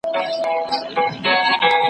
توهین کول بد کار دی.